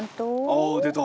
あ出た。